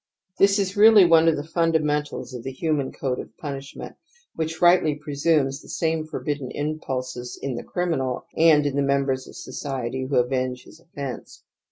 This is really one of the funda mentals of the human code of pimishment which rightly presumes the same forbidden impulses in the criminal and in the members of society who avenge his offence.